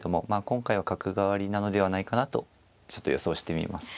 今回は角換わりなのではないかなとちょっと予想してみます。